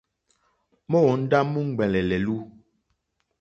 Móǒndá múúŋwɛ̀lɛ̀ lɛ̀lú.